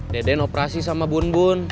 deden operasi sama bun bun